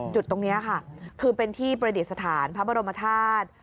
จุดตรงนี้ค่ะคือเป็นที่ประดิษฐานพระบรมธาตุ